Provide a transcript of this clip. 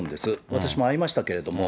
私も会いましたけれども。